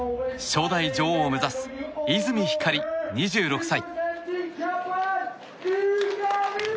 初代女王を目指す泉ひかり、２６歳。